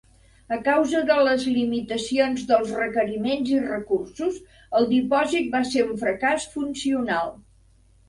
A causa de les limitacions dels requeriments i recursos, el dipòsit va ser un fracàs funcional.